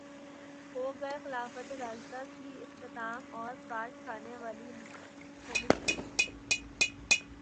ہوگئے خلافت راشدہ کا اختتام اور کاٹ کھانے والی ملوکیت